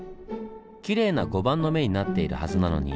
きれいな碁盤の目になっているはずなのに。